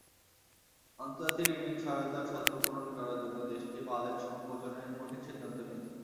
আন্তর্জাতিক ঋণসহায়তার শর্ত পূরণ করার জন্য দেশটি বাজেট সংকোচনের কঠিন সিদ্ধান্ত নিয়েছে।